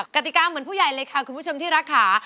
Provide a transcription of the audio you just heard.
กติกาเหมือนผู้ใหญ่เลยค่ะคุณผู้ชมที่รักค่ะ